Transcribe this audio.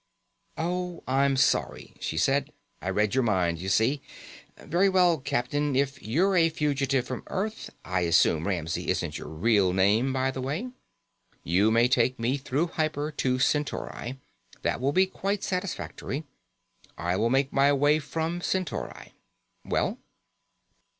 "Oh, I'm sorry," she said. "I read your mind, you see. Very well, Captain. If you're a fugitive from Earth I assume Ramsey isn't your real name, by the way you may take me through hyper to Centauri. That will be quite satisfactory. I will make my way from Centauri. Well?"